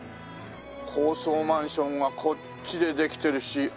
高層マンションがこっちでできてるし。